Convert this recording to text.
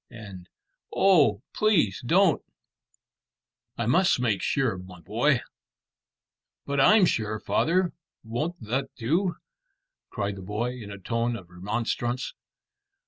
and "Oh, please don't!" "I must make sure, my boy." "But I'm sure, father; won't that do?" cried the boy, in a tone of remonstrance.